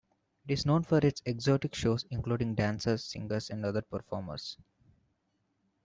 It is known for its exotic shows including dancers, singers, and other performers.